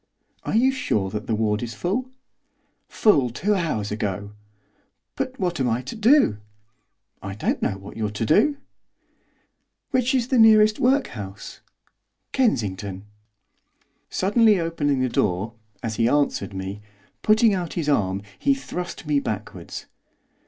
'Are you sure that the ward is full?' 'Full two hours ago!' 'But what am I to do?' 'I don't know what you're to do!' 'Which is the next nearest workhouse?' 'Kensington.' Suddenly opening the door, as he answered me, putting out his arm he thrust me backwards.